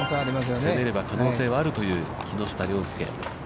攻めれば可能性はあるという木下稜介。